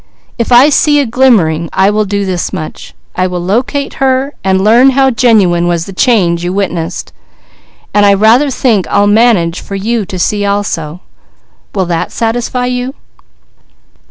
If I see a glimmering, I will do this much I will locate her, and learn how genuine was the change you witnessed, and I rather think I'll manage for you to see also. Will that satisfy you?"